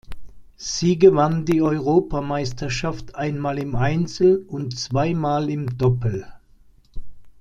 Sie gewann die Europameisterschaft einmal im Einzel und zweimal im Doppel.